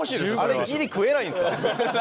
あれギリ食えないんですか？